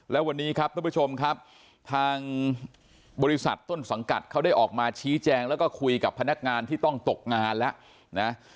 แล้ววันนี้ครับทุกผู้ชมครับทางบริษัทต้นสังกัดเขาได้ออกมาชี้แจงแล้วก็คุยกับพนักงานที่ต้องตกงานแล้วนะ